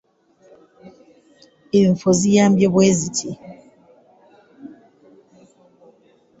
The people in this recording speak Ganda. Enfo ziyambye bwe ziti.